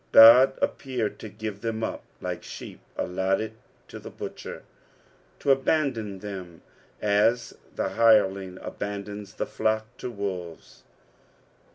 God appeared to give tbem up like Bheep aLlotbed to the butcher, to abaudou them as tbe hiieling abandons the flocK to wolTes.